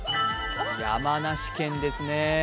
山梨県ですね。